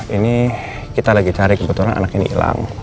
ini kita lagi cari kebetulan anak ini hilang